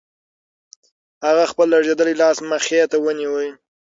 هغه خپل لړزېدلی لاس مخې ته ونیو.